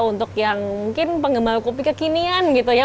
untuk yang mungkin penggemar kopi kekinian gitu ya